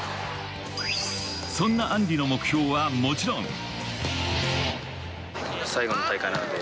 そんなアンリの目標はもちろん。